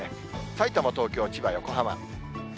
さいたま、東京、千葉、横浜。